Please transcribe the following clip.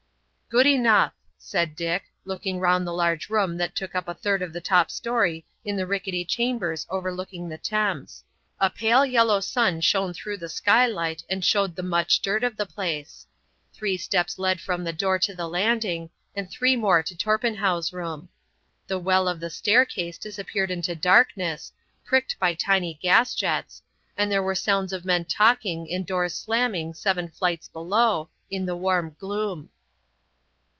"Good enough," said Dick, looking round the large room that took up a third of a top story in the rickety chambers overlooking the Thames. A pale yellow sun shone through the skylight and showed the much dirt of the place. Three steps led from the door to the landing, and three more to Torpenhow's room. The well of the staircase disappeared into darkness, pricked by tiny gas jets, and there were sounds of men talking and doors slamming seven flights below, in the warm gloom.